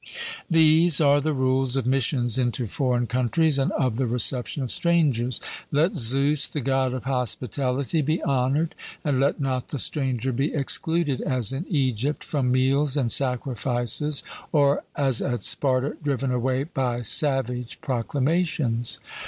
These are the rules of missions into foreign countries, and of the reception of strangers. Let Zeus, the God of hospitality, be honoured; and let not the stranger be excluded, as in Egypt, from meals and sacrifices, or, (as at Sparta,) driven away by savage proclamations.